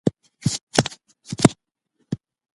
په کڅوڼي کي مي هیڅ داسي پټ او مشکوک مال نه و ایښی.